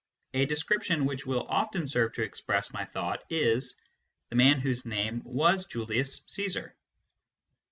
(A description which will often serve to express my thought is " the man whose name was Julius Ccesar."